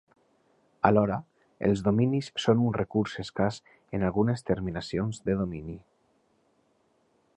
Alhora, els dominis són un recurs escàs en algunes terminacions de domini.